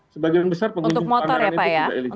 sebagian besar pengunjung pameran itu tidak eligible